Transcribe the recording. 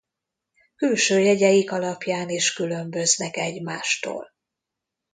Külső jegyeik alapján is különböznek egymástól.